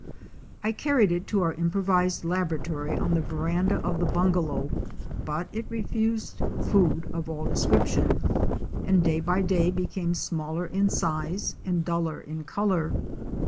I carried it to our improvised laboratory on the veranda of the bungalow, but it refused food of all description, and day by day became smaller in size and duller in color.